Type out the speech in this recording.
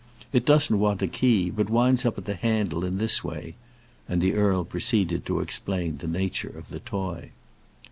It doesn't want a key, but winds up at the handle, in this way," and the earl proceeded to explain the nature of the toy.